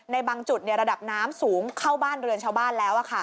ในบางจุดระดับน้ำสูงเข้าบ้านเรือนชาวบ้านแล้ว